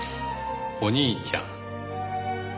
お兄ちゃん。